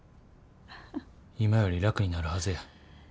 今より楽になるはずや。